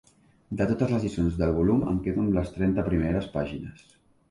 De totes les lliçons del volum em quedo amb les trenta primeres pàgines.